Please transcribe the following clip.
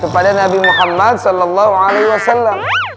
kepada nabi muhammad sallallahu alaihi wasallam